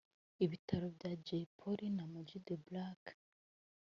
Ibitaramo bya Jay Polly na Ama G The Black